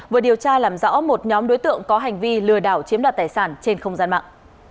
vừa điều tra làm rõ một nhóm đối tượng có hành vi lừa đảo chiếm đoạt tài sản trên không gian mạng